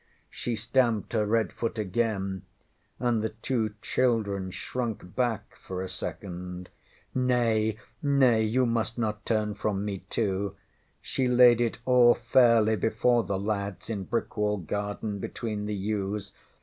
ŌĆÖ She stamped her red foot again, and the two children shrunk back for a second. ŌĆśNay, nay. You must not turn from me too! She laid it all fairly before the lads in Brickwall garden between the yews.